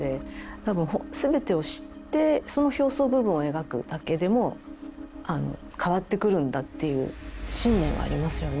多分すべてを知ってその表層部分を描くだけでも変わってくるんだっていう信念はありますよね。